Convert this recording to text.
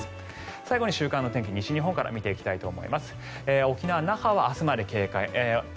最後に週間の天気、西日本から見ていきたいと思います。